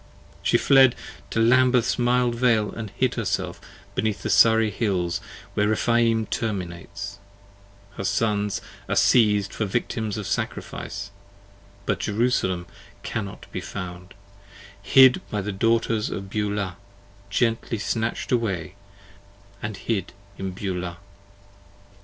She fled to Lambeth's mild Vale and hid herself beneath The Surrey Hills where Rephaim terminates; her Sons are siez'd For victims of sacrifice; but Jerusalem cannot be found; Hid By the Daughters of Beulah, gently snatch'd away, and hid in Beulah.